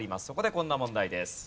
そこでこんな問題です。